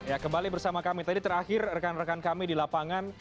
ya kembali bersama kami tadi terakhir rekan rekan kami di lapangan